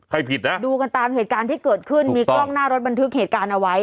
ผิดนะดูกันตามเหตุการณ์ที่เกิดขึ้นมีกล้องหน้ารถบันทึกเหตุการณ์เอาไว้